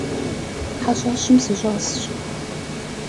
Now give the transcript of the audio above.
Heş'eşım sış'esş.